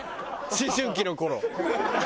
思春期の頃。